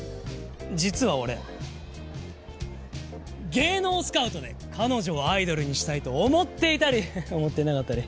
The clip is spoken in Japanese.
実は俺芸能スカウトで彼女をアイドルにしたいと思っていたり思っていなかったり。